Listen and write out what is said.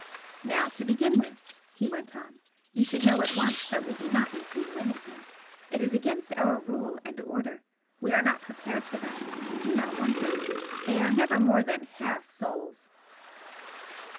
"Now, to begin with," he went on "you should know at once that we do not receive women here. It is against our rule and Order. We are not prepared for them, we do not want them. They are never more than HALF souls!"